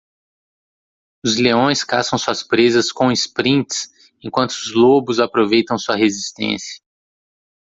Os leões caçam suas presas com sprints?, enquanto os lobos aproveitam sua resistência.